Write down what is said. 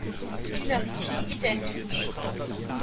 Dynastie identisch.